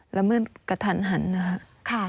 ละเมิดกระทันหันนะครับ